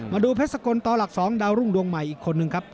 มาดูเพชรสกลต่อหลัก๒ดาวรุ่งดวงใหม่อีกคนนึงครับ